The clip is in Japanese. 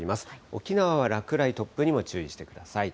沖縄は落雷、突風にも注意してください。